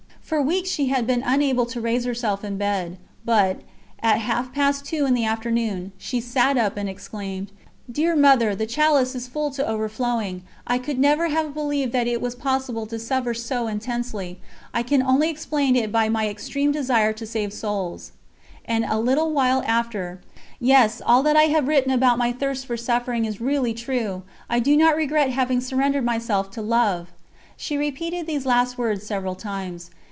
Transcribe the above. For weeks she had been unable to raise herself in bed, but, at half past two in the afternoon, she sat up and exclaimed: "Dear Mother, the chalice is full to overflowing! I could never have believed that it was possible to suffer so intensely. ... I can only explain it by my extreme desire to save souls. ..." And a little while after: "Yes, all that I have written about my thirst for suffering is really true! I do not regret having surrendered myself to Love." She repeated these last words several times.